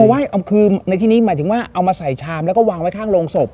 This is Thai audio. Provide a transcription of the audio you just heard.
ไหว้เอาคือในที่นี้หมายถึงว่าเอามาใส่ชามแล้วก็วางไว้ข้างโรงศพ